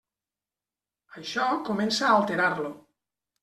Això comença a alterar-lo.